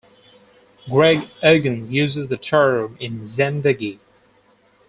Greg Egan uses the term in "Zendegi".